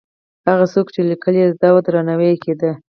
هغه څوک چې لیکل یې زده وو، درناوی یې کېده.